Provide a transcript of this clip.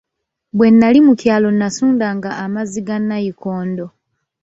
Bwe nali mu kyalo nasundanga amazzi ga nayikondo.